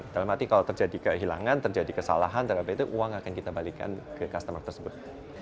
dalam arti kalau terjadi kehilangan terjadi kesalahan terhadap itu uang akan kita balikan ke customer tersebut